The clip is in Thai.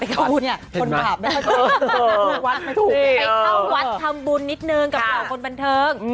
คนขับไปเข้าวัดทำบุญนิดนึงกับเหล่าคนบันเทิง